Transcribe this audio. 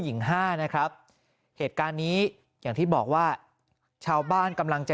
หญิงห้านะครับเหตุการณ์นี้อย่างที่บอกว่าชาวบ้านกำลังจะ